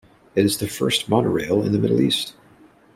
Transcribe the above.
It is the first monorail in the Middle East.